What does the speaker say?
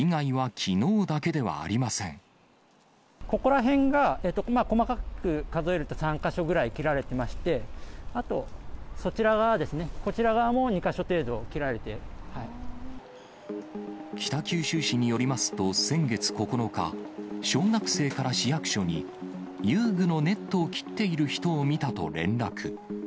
ここら辺が細かく数えると、３か所ぐらい切られてまして、あとそちら側ですね、北九州市によりますと、先月９日、小学生から市役所に、遊具のネットを切っている人を見たと連絡。